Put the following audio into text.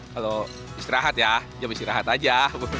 kalau istirahat ya jam istirahat aja